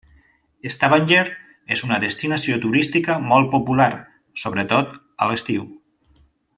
Stavanger és una destinació turística molt popular, sobretot a l'estiu.